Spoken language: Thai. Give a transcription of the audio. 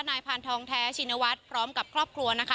พานทองแท้ชินวัฒน์พร้อมกับครอบครัวนะคะ